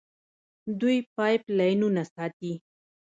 دوی پایپ لاینونه ساتي.